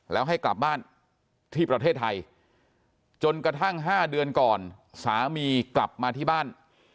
แล้วให้กลับบ้านที่ประเทศไทยจนกระทั่ง๕เดือนก่อนสามีกลับมาที่บ้าน